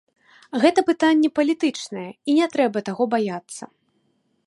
Гэта пытанне палітычнае, і не трэба таго баяцца.